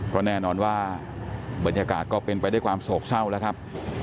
ก็แน่นอนว่าบรรยากาศก็เป็นไปด้วยความโศกเศร้าแล้วครับ